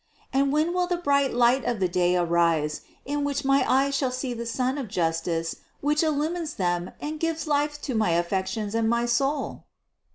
And when will the bright light of the day arise, in which my eyes shall see the Sun of justice which illumines them and gives life to my affections and my soul?"